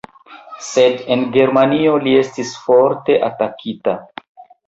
Sed en germanio li estis forte atakita.